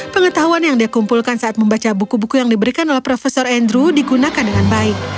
pengetahuan yang dia kumpulkan saat membaca buku buku yang diberikan oleh prof andrew digunakan dengan baik